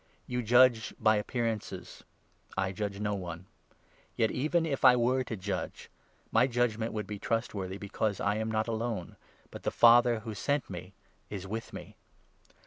You judge by appearances ; I judge no one. 15 Yet, even if I were to judge, my judgement would be trust 16 worthy ; because I am not alone, but the Father who sent me is with me.